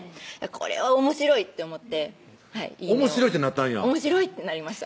これはおもしろいって思っておもしろいってなったんやおもしろいってなりました